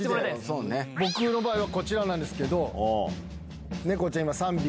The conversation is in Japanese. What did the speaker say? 僕の場合はこちらなんですけど。